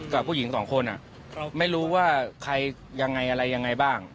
กับผู้หญิงสองคนไม่รู้ว่าใครยังไงอะไรยังไงบ้าง